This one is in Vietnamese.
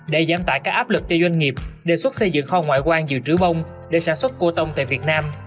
để giảm tải các áp lực cho doanh nghiệp đề xuất xây dựng kho ngoại quan dự trữ bông để sản xuất cua tôm tại việt nam